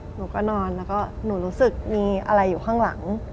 หนูก็นอนแล้วก็หนูรู้สึกมีอะไรอยู่ข้างหลัง